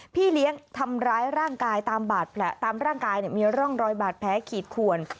พี่เลี้ยงทำร้ายร่างกายตามบาดแผลตามร่างกายมีร่องรอยบาดแผลขีดขวน